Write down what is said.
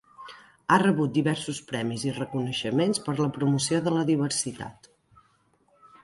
Ha rebut diversos premis i reconeixements per la promoció de la diversitat.